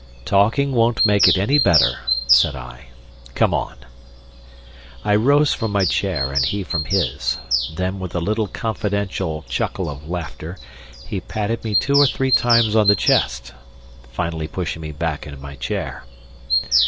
"Talking won't make it any better," said I. "Come on." I rose from my chair and he from his. Then with a little confidential chuckle of laughter, he patted me two or three times on the chest, finally pushing me back into my chair.